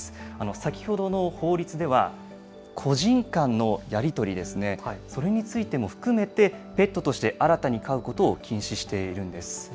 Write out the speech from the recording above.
先ほどの法律では、個人間のやり取りですね、それについても含めてペットとして新たに飼うことを禁止しているんです。